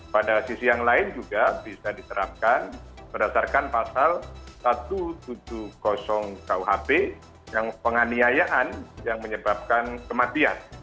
pada sisi yang lain juga bisa diterapkan berdasarkan pasal satu ratus tujuh puluh kuhp yang penganiayaan yang menyebabkan kematian